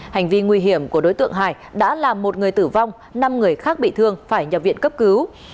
hành vi nguy hiểm của đối tượng hải đã làm một người tử vong năm người khác bị thương phải nhập viện cấp cứu